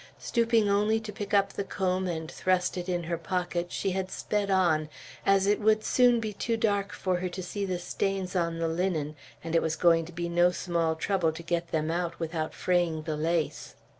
Stopping only to pick up the comb and thrust it in her pocket, she had sped on, as it would soon be too dark for her to see the stains on the linen, and it was going to be no small trouble to get them out without fraying the lace.